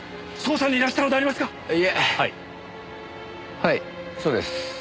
はいそうです。